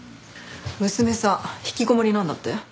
娘さん引きこもりなんだって？